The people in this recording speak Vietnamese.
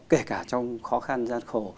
kể cả trong khó khăn gian khổ